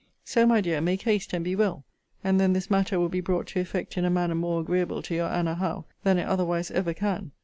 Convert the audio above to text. So, my dear, make haste and be well, and then this matter will be brought to effect in a manner more agreeable to your Anna Howe than it otherwise ever can.